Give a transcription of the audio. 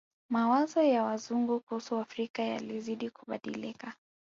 Mawazo ya Wazungu kuhusu Waafrika yalizidi kubadilika